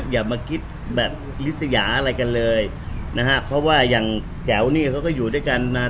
อย่ามาคิดแบบอิสยาอะไรกันเลยนะฮะเพราะว่าอย่างแจ๋วเนี่ยเขาก็อยู่ด้วยกันนาน